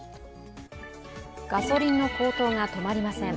ガソリンの高騰が止まりません。